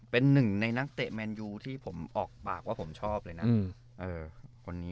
เป็นหนึ่งในนักเตะแมนยูที่ผมออกปากว่าผมชอบเลยนะ